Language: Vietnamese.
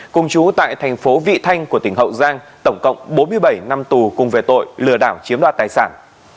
cùng chú tại thành phố vị thanh của tỉnh hậu giang tổng cộng bốn mươi bảy năm tù cùng về tội lừa đảo chiếm đoạt tài sản